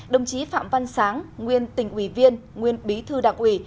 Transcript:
đồng chí phạm văn sáng nguyên tỉnh ủy viên nguyên bí thư đảng ủy